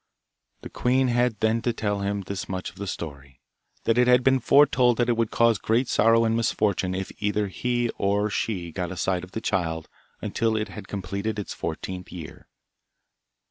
The queen had then to tell him this much of the story, that it had been foretold that it would cause great sorrow and misfortune if either he or she got a sight of the child until it had completed its fourteenth year.